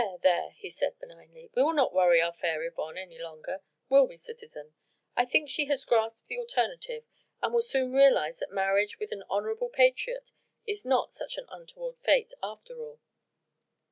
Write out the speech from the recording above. there!" he added benignly, "we will not worry our fair Yvonne any longer, will we, citizen? I think she has grasped the alternative and will soon realise that marriage with an honourable patriot is not such an untoward fate after all."